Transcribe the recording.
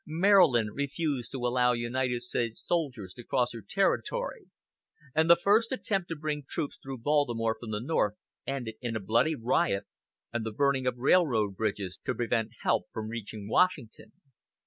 Maryland refused to allow United States soldiers to cross her territory, and the first attempt to bring troops through Baltimore from the North ended in a bloody riot, and the burning of railroad bridges to prevent help from reaching Washington.